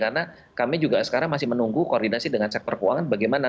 karena kami juga sekarang masih menunggu koordinasi dengan sektor keuangan bagaimana